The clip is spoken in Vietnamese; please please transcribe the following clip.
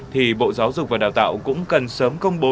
thì bộ giáo dục và đào tạo cũng cần sớm công bố